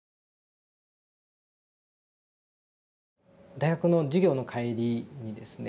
大学の授業の帰りにですね